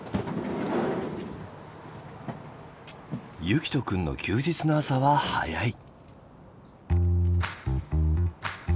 結希斗くんの休日の朝は早い。